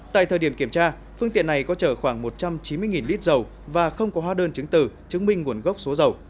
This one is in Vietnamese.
tại thời điểm kiểm tra phương tiện này có chở khoảng một trăm chín mươi lít dầu và không có hóa đơn chứng từ chứng minh nguồn gốc số dầu